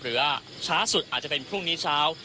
หรือว่าช้าสุดอาจจะเป็นพรุ่งนี้เช้า